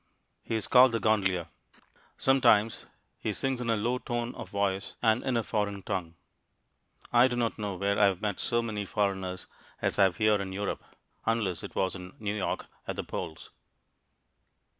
He is called the gondolier. Sometimes he sings in a low tone of voice and in a foreign tongue. I do not know where I have met so many foreigners as I have here in Europe, unless it was in New York, at the polls.